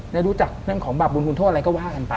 ได้รู้จักของบาปบุญคุณทั่วอะไรก็ว่ากันป่ะ